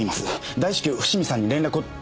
大至急伏見さんに連絡を。